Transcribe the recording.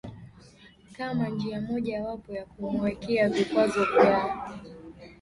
kama njia moja wapo ya kumuwekea vikwazo vya